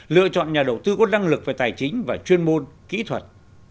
lựa chọn nhà đầu tư có năng lực về tài chính và chuyên môn kỹ thuật